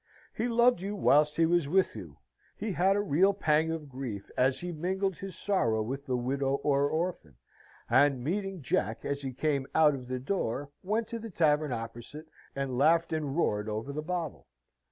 He loved you whilst he was with you; he had a real pang of grief as he mingled his sorrow with the widow or orphan; and, meeting Jack as he came out of the door, went to the tavern opposite, and laughed and roared over the bottle.